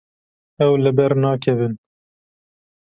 Ew li ber nakevin.